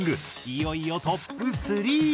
いよいよトップ３。